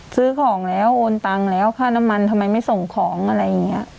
ซื้อของแล้วโอนตังค์แล้วค่าน้ำมันทำไมไม่ส่งของอะไรอย่างนี้